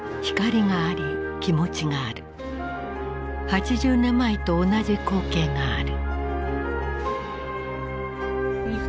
８０年前と同じ光景がある。